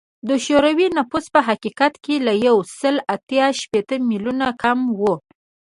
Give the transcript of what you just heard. د شوروي نفوس په حقیقت کې له یو سل اته شپیته میلیونه کم و